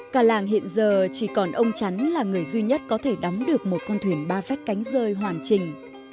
cả làng hiện giờ chỉ còn ông chắn là người duy nhất có thể đóng được một con thuyền ba phách cánh rơi hoàn trình